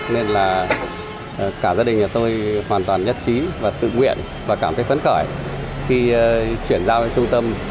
nên là cả gia đình nhà tôi hoàn toàn nhất trí và tự nguyện và cảm thấy phấn khởi khi chuyển giao cho trung tâm